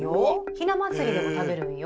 ひな祭りでも食べるんよ。